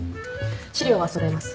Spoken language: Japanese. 資料は揃えます。